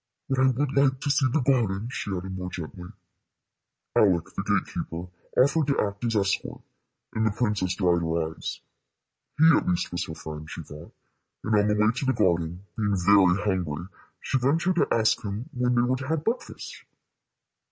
But I would like to see the garden," she added, more gently. Aleck, the gate keeper, offered to act as escort, and the princess dried her eyes. He at least was her friend, she thought; and on the way to the garden, being very hungry, she ventured to ask him when they were to have breakfast.